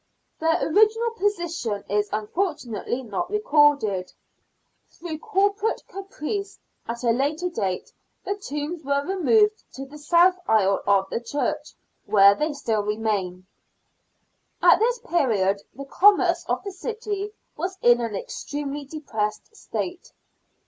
Their original position is, unfortu nately, not recorded. Through corporate caprice at a later date, the tombs were removed to the south aisle of the church, where they still remain. At this period the commerce of the city was in an extremely depressed state.